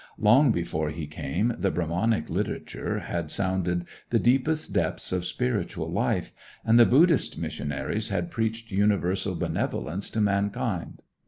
Long before he came the Brahmanic literature had sounded the deepest depths of spiritual life, and the Buddhist missionaries had preached universal benevolence to mankind.